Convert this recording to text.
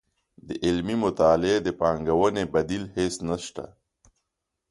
د علمي مطالعې د پانګوونې بدیل هیڅ نشته.